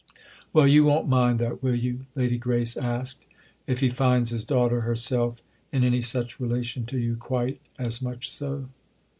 "Well, you won't mind that, will you?" Lady Grace asked, "if he finds his daughter herself, in any such relation to you, quite as much so."